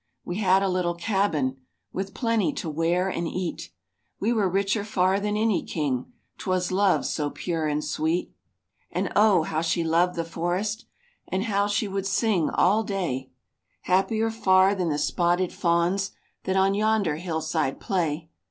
We had a little cabin, With plenty to wear and eat; We were richer far than any king, 'Twas love so pure and sweet. And Oh! how she loved the forest, And how she would sing all day; Happier far than the spotted fawns That on yonder hillside play.